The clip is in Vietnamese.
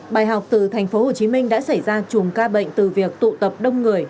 bài học từ thành phố hồ chí minh đã xảy ra chùm ca bệnh từ việc tụ tập đông người